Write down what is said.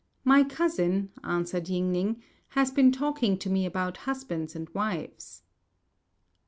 "My cousin," answered Ying ning, "has been talking to me about husbands and wives."